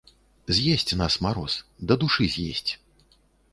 З'есць нас мароз, дадушы, з'есць.